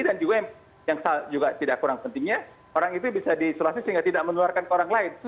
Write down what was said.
dan juga yang tidak kurang pentingnya orang itu bisa diisolasi sehingga tidak menularkan ke orang lain